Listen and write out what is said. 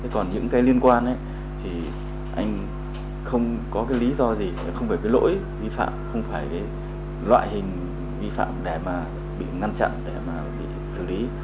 còn những cái liên quan thì anh không có cái lý do gì không về cái lỗi vi phạm không phải cái loại hình vi phạm để mà bị ngăn chặn để mà bị xử lý